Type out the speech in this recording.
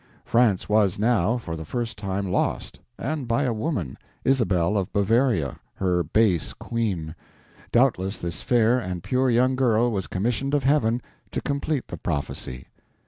France was now, for the first time, lost—and by a woman, Isabel of Bavaria, her base Queen; doubtless this fair and pure young girl was commissioned of Heaven to complete the prophecy.